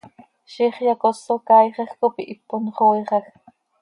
Ziix yacoso caaixaj cop ihipon xooixaj.